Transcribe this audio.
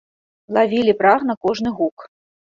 Лавілі прагна кожны гук.